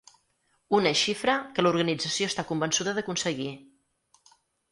Una xifra que l’organització està convençuda d’aconseguir.